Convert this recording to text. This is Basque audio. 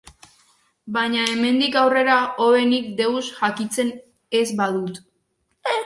Baina hemendik aurrera hobe nik deus jakiten ez badut.